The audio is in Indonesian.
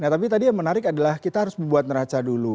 tapi yang menarik adalah kita harus membuat neraca dulu